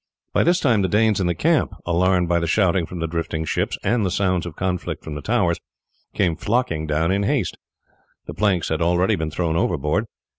By this time the Danes in the camp, alarmed by the shouting from the drifting ships and the sounds of conflict from the towers, came flocking down in haste. The planks had already been thrown overboard.